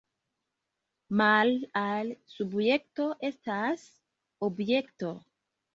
Male al subjekto estas objekto.